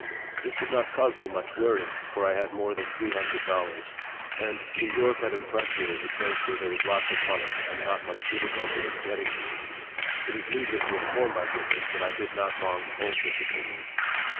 This did not cause me much worry, for I had more than three hundred dollars, and New York had impressed me as a place where there was lots of money and not much difficulty in getting it. It is needless to inform my readers that I did not long hold this opinion.